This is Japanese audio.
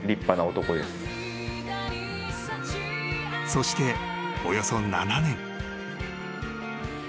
［そしておよそ７年］